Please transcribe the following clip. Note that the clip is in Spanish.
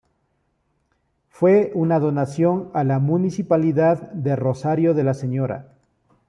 Fue una donación a la municipalidad de Rosario de la Sra.